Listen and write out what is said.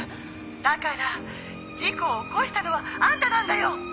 「だから事故を起こしたのはあんたなんだよ！」